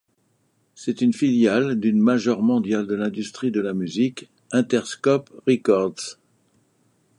C'est une filiale d'une major mondiale de l'industrie de la musique, Interscope Records.